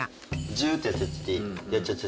ジュってやっちゃっていい？